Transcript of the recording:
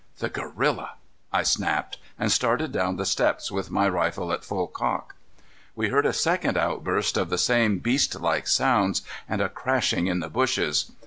"The gorilla," I snapped, and started down the steps with my rifle at full cock. We heard a second outburst of the same beastlike sounds and a crashing in the bushes.